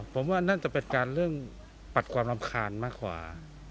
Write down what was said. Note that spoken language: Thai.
ผมว่านั่นจะเป็นการเรื่องปัดความรำคาญมากกว่า